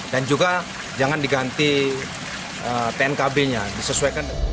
dan juga jangan diganti tnkb nya disesuaikan